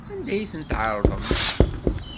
Anda ay ten-tɛerḍem?